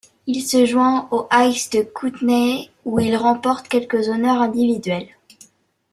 Il se joint au Ice de Kootenay où il remporte quelques honneurs individuels.